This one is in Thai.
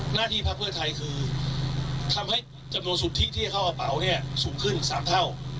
หน้าที่พระเววช์ไทยคือทำให้จำนวนสูตรที่ถี่ข้าวป่าวสูงขึ้น๓เท่า